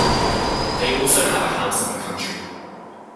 They also have a house in the country.